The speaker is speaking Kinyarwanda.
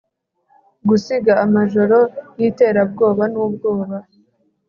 gusiga amajoro yiterabwoba nubwoba